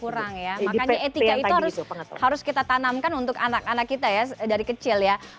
kurang ya makanya etika itu harus harus kita tanamkan untuk anak anak kita ya dari kecil ya